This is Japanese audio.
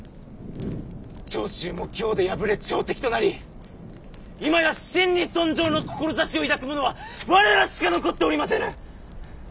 長州も京で敗れ朝敵となり今や真に尊攘の志を抱くものは我らしか残っておりませぬ！